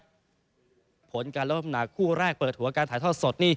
ข้อผลของการเริ่มทำหน้าคู่แรกเปิดหัวการถ่ายท่อสด